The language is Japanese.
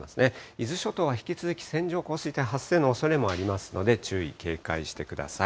伊豆諸島は引き続き線状降水帯発生のおそれもありますので、注意、警戒してください。